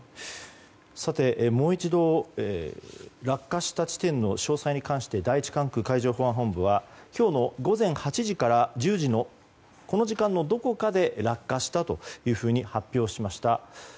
さて、もう一度落下した地点の詳細に関して第１管区海上保安本部は今日の午前８時から１０時のこの時間のどこかで落下したと発表しました。